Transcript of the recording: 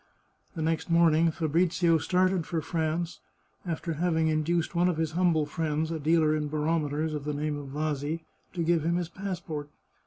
The next morning Fabrizio started for France, after having induced one of his humble friends, a dealer in barometers of the name of Vasi, to give him his passport.